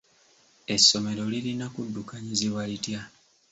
Essomero lirina kuddukanyizibwa litya?